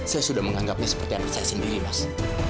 saya sudah menganggapnya seperti anak saya sendiri mas